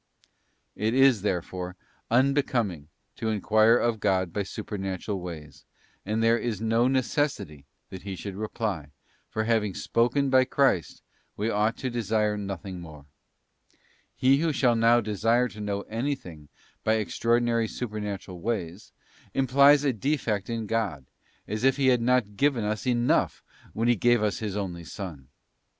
t It is, therefore, unbecoming to enquire of God by super natural ways, and there is no necessity that He should reply, for having spoken by Christ, we ought to desire nothing more. He who shall now desire to know anything by extra ordinary supernatural ways, implies a defect in God, as if * Coloss, ii. 3, t 1 Cor. ii. 2. t Coloss, ii, 9. CONSUMMATUM EST. 159 He had not given us enough when He gave us His only Son.